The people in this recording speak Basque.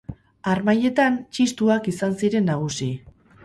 Harmailetan txistuak izan ziren nagusi.